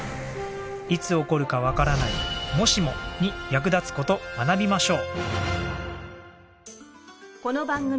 いつ起こるかわからない「もしも」に役立つ事学びましょう。